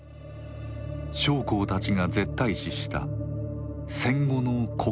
将校たちが絶対視した戦後の国体の護持。